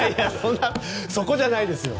そこじゃないですよ！